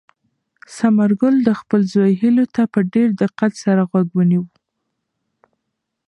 ثمرګل د خپل زوی هیلو ته په ډېر دقت سره غوږ ونیو.